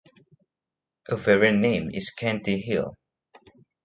A variant name is "Cantey Hill".